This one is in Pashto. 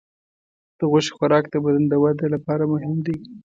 د غوښې خوراک د بدن د وده لپاره مهم دی.